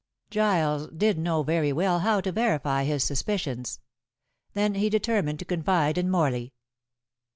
Giles did not know very well how to verify his suspicions. Then he determined to confide in Morley.